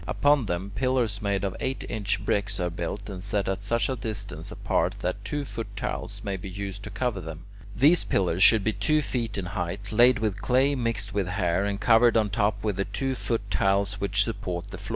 Upon them, pillars made of eight inch bricks are built, and set at such a distance apart that two foot tiles may be used to cover them. These pillars should be two feet in height, laid with clay mixed with hair, and covered on top with the two foot tiles which support the floor.